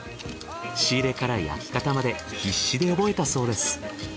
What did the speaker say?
仕入れから焼き方まで必死で覚えたそうです。